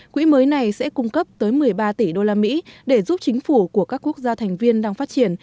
quỹ mới này sẽ cung cấp tới một mươi ba tỷ đô la mỹ để giúp chính phủ của các quốc gia thành viên đang phát triển